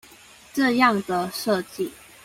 這樣的設計